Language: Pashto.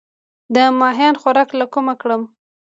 د ماهیانو خوراک له کومه کړم؟